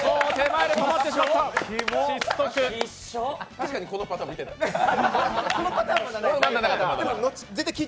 確かにこのパターン見てない。